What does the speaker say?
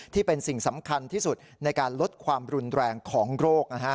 ที่เป็นสิ่งสำคัญที่สุดในการลดความรุนแรงของโรค